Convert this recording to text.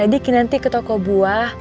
tadi kinanti ke toko buah